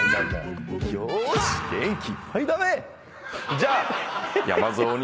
じゃあ。